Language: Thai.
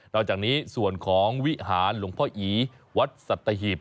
อกจากนี้ส่วนของวิหารหลวงพ่ออีวัดสัตหีบ